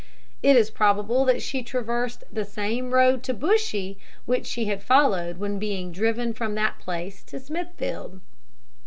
It is probable that she traversed the same road to Bushy which she had followed when being driven from that place to Smithfield.